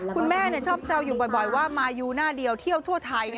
คุณแม่ชอบแซวอยู่บ่อยว่ามายูหน้าเดียวเที่ยวทั่วไทย